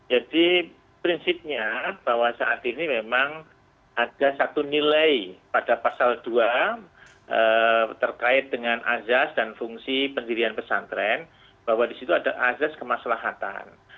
jadi prinsipnya bahwa saat ini memang ada satu nilai pada pasal dua terkait dengan azas dan fungsi pendidikan pesantren bahwa di situ ada azas kemaslahatan